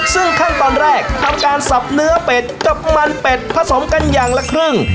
ซึ่งขั้นตอนแรกทำการสับเนื้อเป็ดกับมันเป็ดผสมกันอย่างละครึ่ง